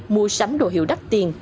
mua sắm đồ hiệu đắt tiền